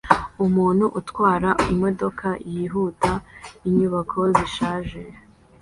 Umuntu atwara imodoka yihuta inyubako zishaje